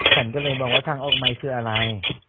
ฉันก็เลยบอกว่าทางออกใหม่คืออะไร